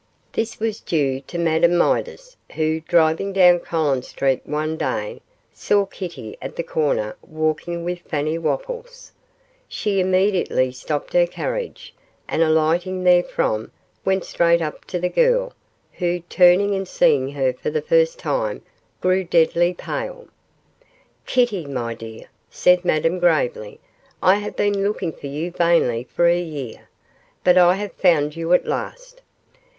This was due to Madame Midas, who, driving down Collins Street one day, saw Kitty at the corner walking with Fanny Wopples. She immediately stopped her carriage, and alighting therefrom, went straight up to the girl, who, turning and seeing her for the first time, grew deadly pale. 'Kitty, my dear,' said Madame, gravely, 'I have been looking for you vainly for a year but I have found you at last.